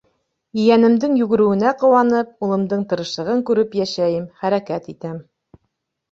Ейәнемдең йүгереүенә ҡыуанып, улымдың тырышлығын күреп йәшәйем, хәрәкәт итәм.